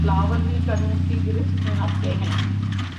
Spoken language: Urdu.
بلاول بھی قانون کی گرفت میں آتے ہیں